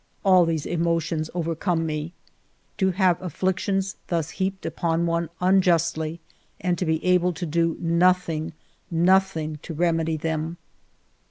All these emotions overcome me. To have afflictions thus heaped upon one un justly and to be able to do nothing, nothing to remedy them